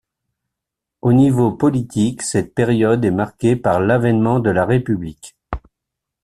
Au niveau politique cette période est marquée par l’avènement de la République.